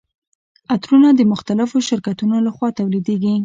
عطرونه د مختلفو شرکتونو لخوا تولیدیږي.